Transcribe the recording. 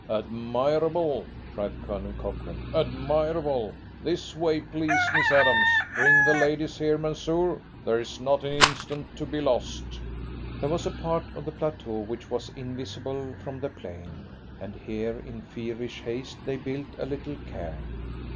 "Admirable!" cried Colonel Cochrane. "Admirable! This way, please, Miss Adams. Bring the ladies here, Mansoor. There is not an instant to be lost." There was a part of the plateau which was invisible from the plain, and here in feverish haste they built a little cairn.